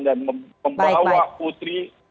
dan membawa putri